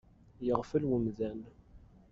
Yeɣfel umdan.